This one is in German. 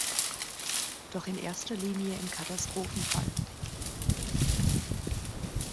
Doch in erster Linie im Katastrophenfall.